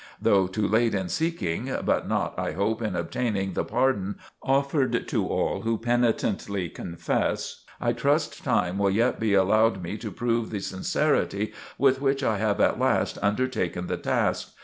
Though too late in seeking, [but not,] I hope, in obtaining the pardon offered to all who penitently confess, I trust time will yet be allowed me to prove the sincerity with which I have at last undertaken the task.